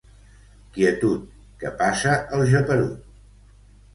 Quietud, que passa el geperut.